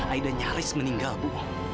aida nyaris meninggal bu